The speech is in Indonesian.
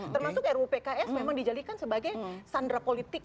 termasuk rupks memang dijadikan sebagai sandra politik